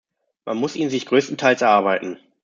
Man muss ihn sich größtenteils erarbeiten.